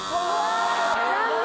残念。